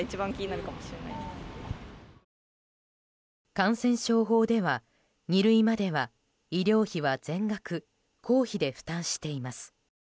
感染症法では二類までは医療費は全額公費で負担しています。